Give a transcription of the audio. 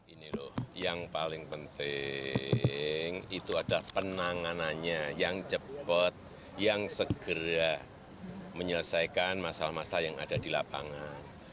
ini loh yang paling penting itu adalah penanganannya yang cepat yang segera menyelesaikan masalah masalah yang ada di lapangan